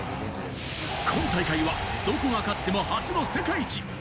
今大会はどこが勝っても初の世界一。